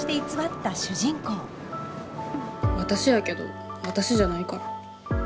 私やけど私じゃないから。